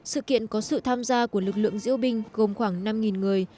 sự kiện có sự tham gia của lực lượng diễu binh gồm khoảng năm người